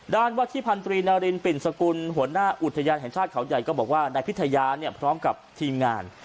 วัดที่พันธรีนารินปิ่นสกุลหัวหน้าอุทยานแห่งชาติเขาใหญ่ก็บอกว่านายพิทยาเนี่ยพร้อมกับทีมงาน